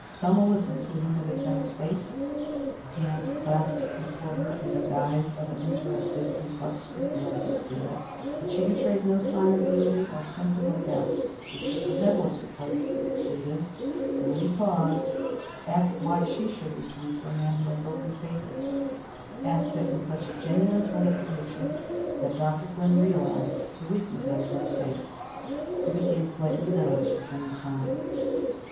Selma listened to him with a tense face, her hands clasped before her in the guise of an interested and self scrutinizing spirit. But she betrayed no sign of yielding, or symptom of doubt. She shook her head once or twice as he proceeded, and, when he paused, asked why she should return to a man who had broken faith with her; asked it in such a genuine tone of conviction that Dr. Glynn realized the weakness of his own case, and became slightly nettled at the same time.